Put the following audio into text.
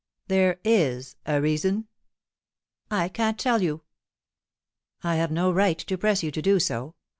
"There is a reason?" "I can't tell you." "I have no right to press you to do so.